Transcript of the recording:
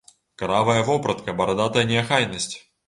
Каравая вопратка, барадатая неахайнасць!